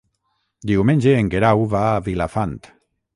Diumenge en Guerau va a Vilafant.